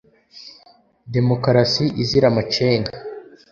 demokarasi izira amacenga